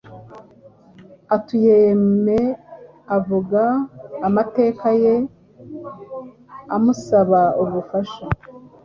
atuyemoavuga amateka yeamusaba ubufasha